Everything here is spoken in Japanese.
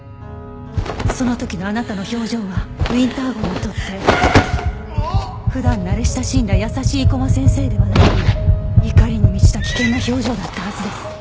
その時のあなたの表情はウィンター号にとって普段慣れ親しんだ優しい生駒先生ではなく怒りに満ちた危険な表情だったはずです。